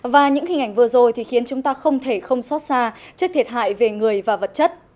và những hình ảnh vừa rồi thì khiến chúng ta không thể không xót xa trước thiệt hại về người và vật chất